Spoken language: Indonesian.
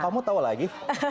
kok kamu tau lagi